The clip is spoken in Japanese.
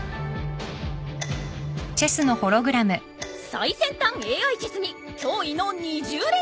最先端ＡＩチェスに驚異の２０連勝中！